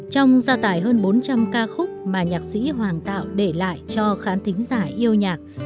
trong gia tài hơn bốn trăm linh ca khúc mà nhạc sĩ hoàng tạo để lại cho khán thính giả yêu nhạc